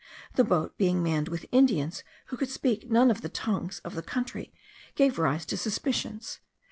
The boat being manned with Indians who could speak none of the tongues of the country, gave rise to suspicions.